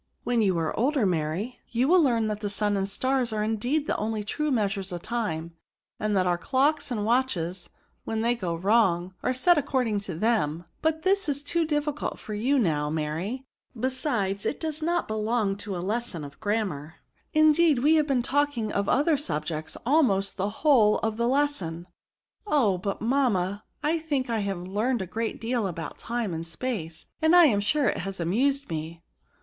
When you are older, Mary, you will learn that the sun an4 stars are indeed the only true measures of time, and that our clocks and watches, when they go wrong, are set accord ing to them ; but this is too difficidt for you now, Mary ; besides it does not belong to a lesson of grammar, indeed we have been talking of other subjects almost the whole of the lesson." Oh ! but mamma, I think I have learned / DEMONSTRATIVE PRONOUNS. 197 a great deal about time aad space, and I am sure it has amused me."